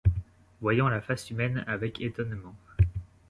Voyant la face humaine avec étonnement